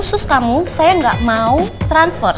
tunggu saya gak mau transfer